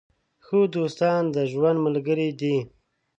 ښه دوستان د ژوند ملګري دي.